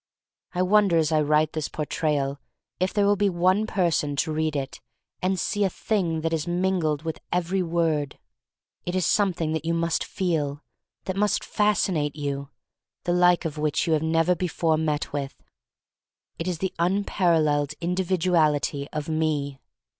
I wonder as I write this Portrayal if there will be one person tor read it and see a thing that is mingled with every 217 2l8 THE STORY OF MARY MAC LANE word. It is something that you must feel, that must fascinate you, the like of which you have never before met with. It is the unparalleled individuality of me.